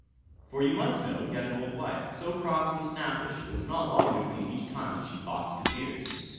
For you must know he had an old wife, so cross and snappish, it was not long between each time that she boxed his ears.